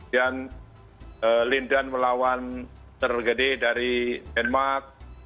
dan lindan melawan tergede dari denmark